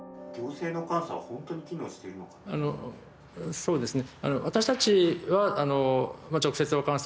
あのそうですね